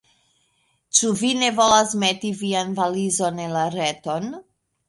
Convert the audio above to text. Ĉu vi ne volas meti vian valizon en la reton?